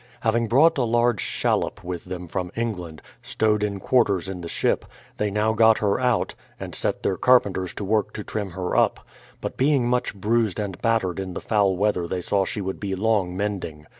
Having brought a large shallop with them from England, stowed in quarters in the ship, they now got her out, and set their carpenters to work to trim her up ; but being much bruised and battered in the foul weather they saw she would be long mending.